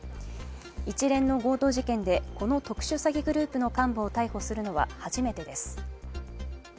一連の強盗事件でこの特殊詐欺グループの幹部を逮捕するのは初めてです。